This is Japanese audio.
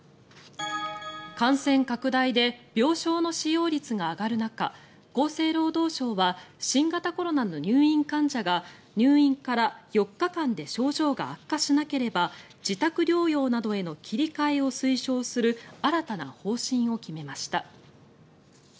感染拡大で病床の使用率が上がる中厚生労働省は新型コロナの入院患者が入院から４日間で症状が悪化しなければ自宅療養などへの切り替えを推奨する新たな方針を決めました。